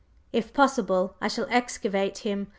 If possible, I shall excavate him.